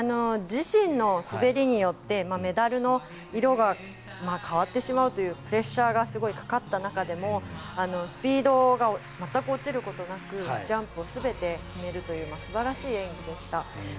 自身の滑りによってメダルの色が変わってしまうというプレッシャーがすごいかかった中でもスピードが全く落ちることなくジャンプを全て決めるという素晴らしい演技でした。